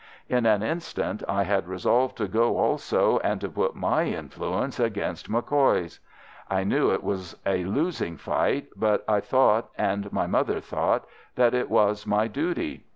In an instant I had resolved to go also, and to put my influence against MacCoy's. I knew it was a losing fight, but I thought, and my mother thought, that it was my duty.